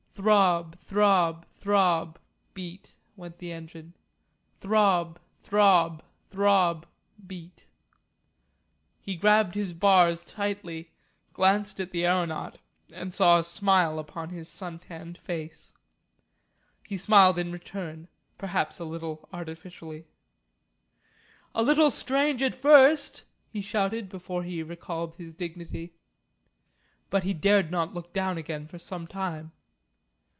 Throb, throb, throb beat, went the engine; throb, throb, throb beat. He gripped his bars tightly, glanced at the aeronaut, and saw a smile upon his sun tanned face. He smiled in return perhaps a little artificially. "A little strange at first," he shouted before he recalled his dignity. But he dared not look down again for some time.